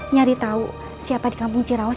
nyari tahu siapa di kampung cirawas